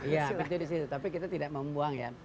ya pintu ada di situ tapi kita tidak mau membuang ya